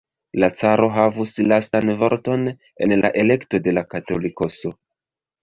La caro havus lastan vorton en la elekto de la Katolikoso.